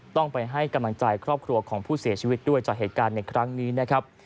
ต้องไปให้กำลังใจครอบครัวของผู้เสียชีวิตด้วยจากเหตุการณ์ในครั้งนี้นะครับ